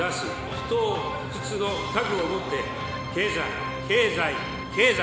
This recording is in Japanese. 不とう不屈の覚悟を持って経済、経済、経済。